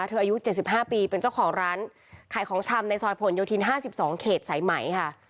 อายุ๗๕ปีเป็นเจ้าของร้านขายของชำในซอยผลโยธิน๕๒เขตสายไหมค่ะ